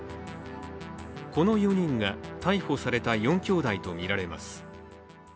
この４人が、逮捕された４きょうだいとみられます。